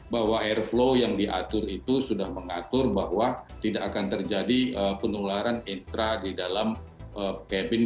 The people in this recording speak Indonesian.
bahwa air flow yang diatur itu sudah mengatur bahwa tidak akan terjadi penularan intra di dalam cabin